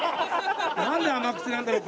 なんで甘口なんだろう。